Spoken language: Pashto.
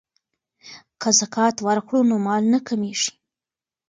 که زکات ورکړو نو مال نه کمیږي.